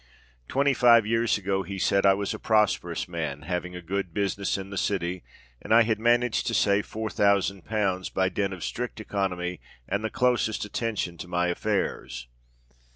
"Twenty five years ago," he said, "I was a prosperous man, having a good business in the City; and I had managed to save four thousand pounds by dint of strict economy and the closest attention to my affairs.